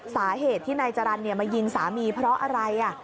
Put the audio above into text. สาเหตุที่นายจรรย์มายิงสามีเพราะอะไร